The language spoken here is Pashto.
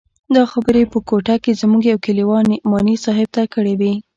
دا خبرې په کوټه کښې زموږ يوه کليوال نعماني صاحب ته کړې وې.